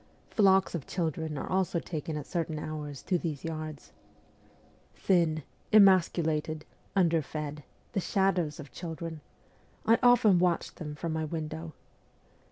Flocks of children are also taken at certain hours to these yards. Thin, emasculated, under fed the shadows of children I often watched them from my window.